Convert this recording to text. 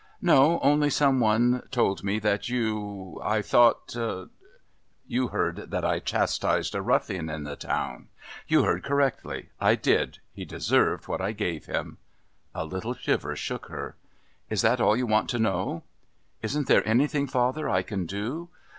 "No only some one told me that you...I thought " "You heard that I chastised a ruffian in the town? You heard correctly. I did. He deserved what I gave him." A little shiver shook her. "Is that all you want to know?" "Isn't there anything, father, I can do?"